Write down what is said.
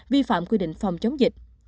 vi phạm quy định phòng chống dịch